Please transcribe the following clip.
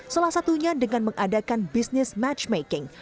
salah satunya dengan mengadakan bisnis matchmaking